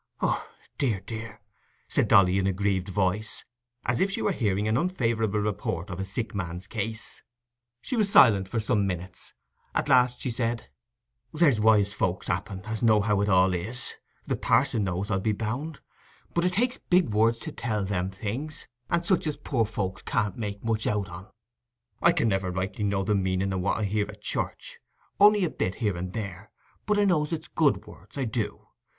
"Oh, dear, dear," said Dolly in a grieved voice, as if she were hearing an unfavourable report of a sick man's case. She was silent for some minutes; at last she said— "There's wise folks, happen, as know how it all is; the parson knows, I'll be bound; but it takes big words to tell them things, and such as poor folks can't make much out on. I can never rightly know the meaning o' what I hear at church, only a bit here and there, but I know it's good words—I do.